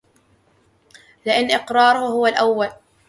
لِأَنَّ إقْرَارَهُ هُوَ الْأَوَّلُ